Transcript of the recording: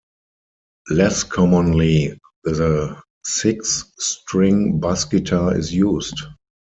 Less commonly, the six string bass guitar is used.